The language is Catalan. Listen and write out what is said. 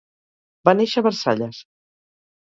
Va néixer a Versalles.